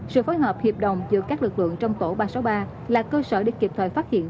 sự phối hợp hiệp đồng giữa các lực lượng trong tổ ba trăm sáu mươi ba là cơ sở để kịp thời phát hiện